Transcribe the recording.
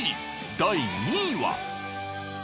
第２位は。